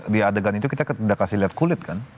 di adegan itu kita sudah kasih lihat kulit kan